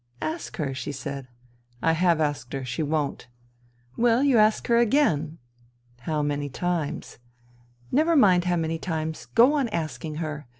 " Ask her," she said. " I have asked her. She won't." " Well, you ask her again." " How many times ?"" Never mind how many times. Go on asking her.